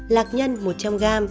lạc nhân một trăm linh g